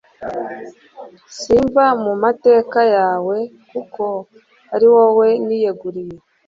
simva mu mateka yawe kuko ari wowe niyeguriye.